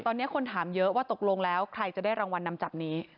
ตอนนี้คนถามเยอะว่าตกลงแล้วใครจะได้รางวัลนำจับนี้